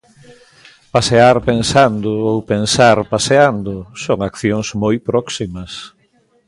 Pasear pensando ou pensar paseando son accións moi próximas.